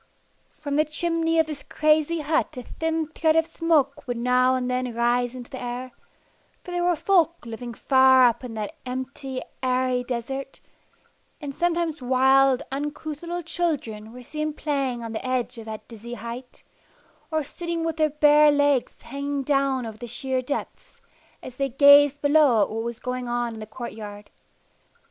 From the chimney of this crazy hut a thin thread of smoke would now and then rise into the air, for there were folk living far up in that empty, airy desert, and oftentimes wild, uncouth little children were seen playing on the edge of the dizzy height, or sitting with their bare legs hanging down over the sheer depths, as they gazed below at what was going on in the court yard.